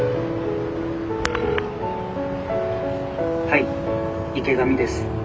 ☎「はい池上です。